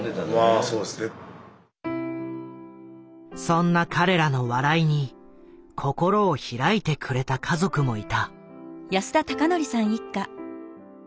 そんな彼らの笑いに心を開いてくれた家族もいた。